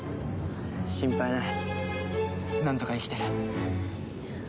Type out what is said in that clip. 心配ないなんとか生きてる。